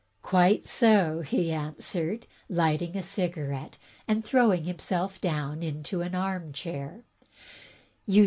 "Quite so," he answered, Hghting a cigarette, and throwing him self down into an arm chair.